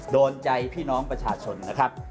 โดนใจพี่น้องประชาชนนะครับ